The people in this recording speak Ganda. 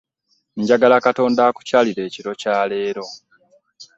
Njagala Katonda akukyalire ekiro kya leero.